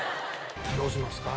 どうしますか？